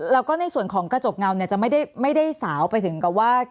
แล้วก็ในส่วนของกระจกเงาเนี่ยจะไม่ได้สาวไปถึงกับว่า